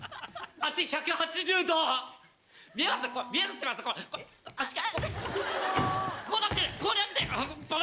足がこうなってこうなって！